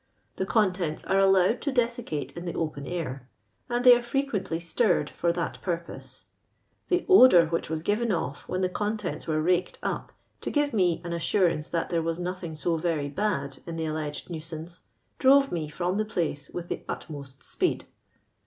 The contents are allowed to desiccate in the open air; and they are freouently stinred for that purpose. The odour which was given off when the contents were raked up, to give me an assurance that there was nothing so rery bad in the alleged nuisance, drove me from the place with the utmost speed.